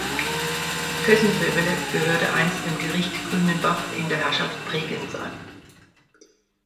Kössentöbele gehörte einst dem Gericht Grünenbach in der Herrschaft Bregenz an.